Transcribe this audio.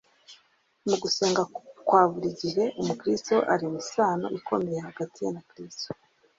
Mu gusenga kwa buri gihe umukristo arema isano ikomeye hagati ye na Kristo